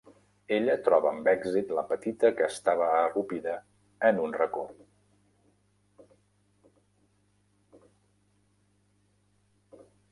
Ella troba amb èxit la petita que estava arrupida en un racó.